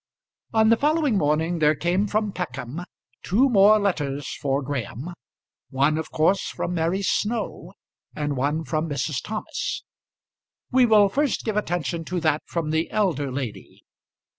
On the following morning there came from Peckham two more letters for Graham, one of course from Mary Snow, and one from Mrs. Thomas. We will first give attention to that from the elder lady.